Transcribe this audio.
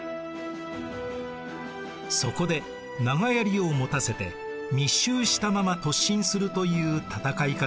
そこで長やりを持たせて密集したまま突進するという戦い方を用いました。